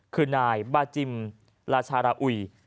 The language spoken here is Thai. คือนายบาจิมราชาราอุย